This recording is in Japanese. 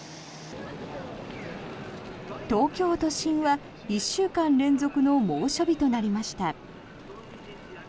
東京都心は１週間連続の猛暑日となりました。